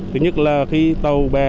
thứ nhất là khi tàu bè